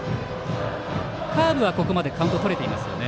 カーブはここまでカウントをとれていますよね。